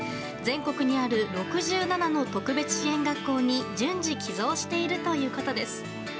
全国にある６７の特別支援学校に順次寄贈しているということです。